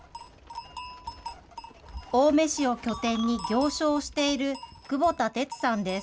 青梅市を拠点に行商をしている、久保田哲さんです。